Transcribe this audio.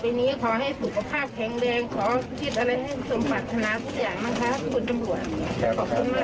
ต่อไปนี้ขอให้สุขภาพแข็งแรงขอคิดอะไรให้สมบัติธนาทุกอย่างนะคะคุณจังหวัด